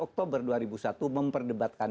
oktober dua ribu satu memperdebatkan